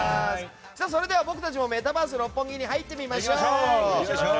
それでは僕たちもメタバース六本木に入ってみましょう。